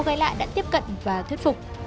cô gái lại đã tiếp cận và thuyết phục